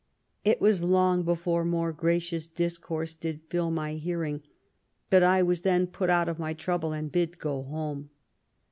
It was long before more gracious dis course did fill my hearing, but I was then put out of my trouble and bid go home.